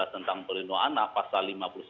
tentang pelindung anak pasal lima puluh sembilan